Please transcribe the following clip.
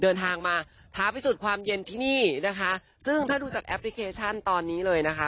เดินทางมาท้าพิสูจน์ความเย็นที่นี่นะคะซึ่งถ้าดูจากแอปพลิเคชันตอนนี้เลยนะคะ